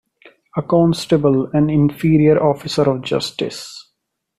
A constable an inferior officer of justice.